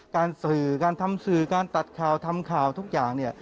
การสื่อการทำสื่อการตัดข่าวทำข่าวทุกอย่างเนี่ย